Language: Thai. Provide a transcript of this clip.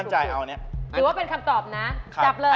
ถือว่าเป็นคำตอบนะ